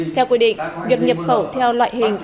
theo quy định việc nhập khẩu theo loại hình